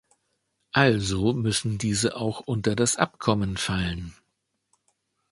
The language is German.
Also müssen diese auch unter das Abkommen fallen.